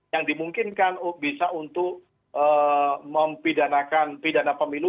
yang dimungkinkan bisa untuk mempidanakan pidana pemilu